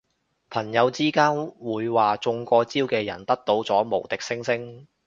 朋友之間會話中過招嘅人得到咗無敵星星